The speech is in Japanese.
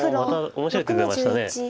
面白い手出ました。